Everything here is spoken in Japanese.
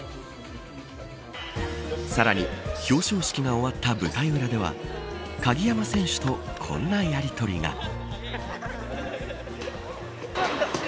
さらに表彰式が終わった舞台裏では鍵山選手と、こんなやりとりが。